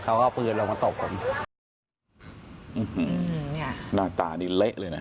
เขาก็เอาปืนลงมาตกผมอื้อหือเนี้ยหน้าตาดิเละเลยน่ะ